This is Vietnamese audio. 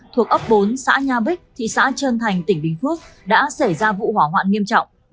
thuộc ấp bốn xã nha bích thị xã trơn thành tỉnh bình phước đã xảy ra vụ hỏa hoạn nghiêm trọng